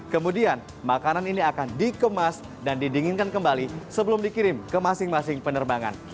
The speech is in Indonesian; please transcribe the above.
kemudian makanan ini akan dikemas dan didinginkan kembali sebelum dikirim ke masing masing penerbangan